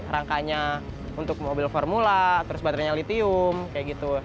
rangkanya untuk mobil formula terus baterainya litium kayak gitu